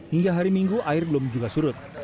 hingga hari minggu air belum juga surut